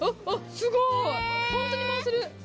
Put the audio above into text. すごいホントに回せる。